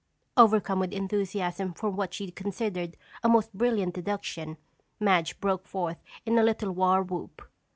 Overcome with enthusiasm for what she considered a most brilliant deduction, Madge broke forth in a little war whoop.